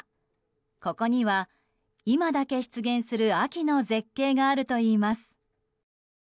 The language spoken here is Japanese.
ここには、今だけ出現する秋の絶景があるといいます。